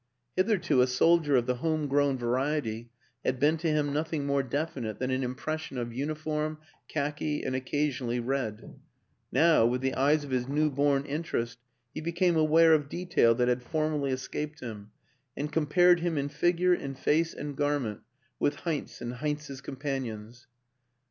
Hitherto a soldier of the home grown variety had been to him nothing more definite than an impres sion of uniform, khaki and occasionally red; now, with the eyes of his newborn interest, he became aware of detail that had formerly escaped him, and compared him in figure, in face and garment, with Heinz and Heinz's companions.